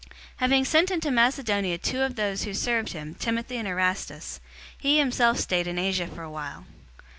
019:022 Having sent into Macedonia two of those who served him, Timothy and Erastus, he himself stayed in Asia for a while.